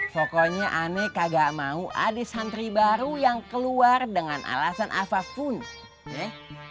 pokoknya aneh kagak mau ada santri baru yang keluar dengan alasan apa pun yeh